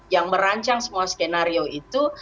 yang merancang semua skenario itu